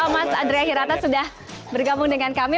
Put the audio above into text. mas andrea hirata sudah bergabung dengan kami